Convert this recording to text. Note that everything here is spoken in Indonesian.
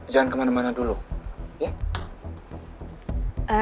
jangan kemana mana dulu